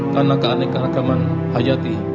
karena keanekaragaman hayati